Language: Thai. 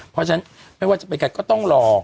เพราะฉะนั้นไม่ว่าจะเป็นใครก็ต้องรอ